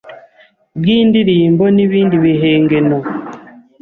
bw’indirimbo n’ibindi bihengeno